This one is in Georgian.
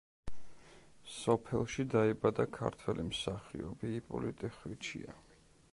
სოფელში დაიბადა ქართველი მსახიობი იპოლიტე ხვიჩია.